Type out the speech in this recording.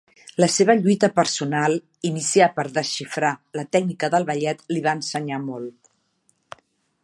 La seva lluita personal iniciar per desxifrar la tècnica del ballet li va ensenyar molt.